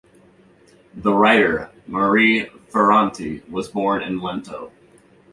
The writer Marie Ferranti was born in Lento.